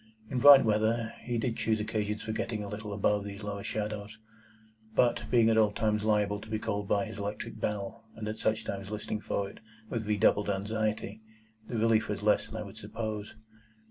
In bright weather, he did choose occasions for getting a little above these lower shadows; but, being at all times liable to be called by his electric bell, and at such times listening for it with redoubled anxiety, the relief was less than I would suppose.